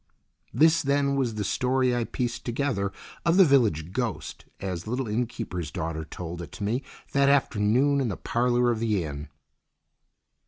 This, then, was the story I pieced together of the village ghost as the little inn keeper's daughter told it to me that afternoon in the parlour of the inn.